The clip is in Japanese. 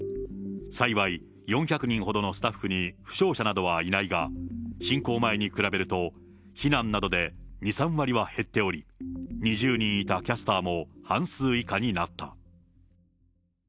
幸い、４００人ほどのスタッフに負傷者などはいないが、侵攻前に比べると、避難などで２、３割は減っており、２０人いたキャスターも半数以下になった。